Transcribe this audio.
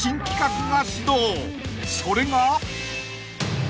［それが］